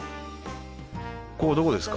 ここはどこですか？